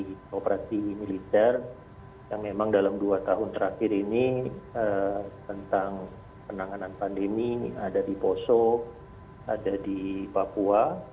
di operasi militer yang memang dalam dua tahun terakhir ini tentang penanganan pandemi ada di poso ada di papua